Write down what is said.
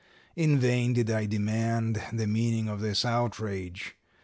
In vain did I demand the meaning of this outrage.